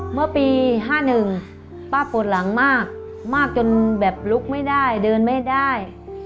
เมื่อปี๕๑ป้าปวดหลังมากมากจนแบบลุกไม่ได้เดินไม่ได้